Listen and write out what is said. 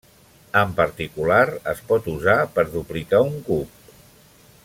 En particular, es pot usar per duplicar un cub.